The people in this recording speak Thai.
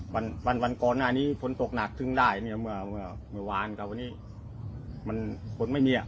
วันวันก่อนหน้านี้ฝนตกหนักถึงได้เนี่ยเมื่อเมื่อวานกับวันนี้มันฝนไม่มีอ่ะ